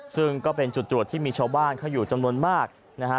ซึ่งก็เป็นจุดตรวจที่มีชาวบ้านเขาอยู่จำนวนมากนะฮะ